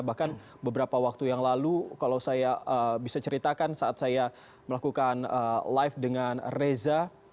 bahkan beberapa waktu yang lalu kalau saya bisa ceritakan saat saya melakukan live dengan reza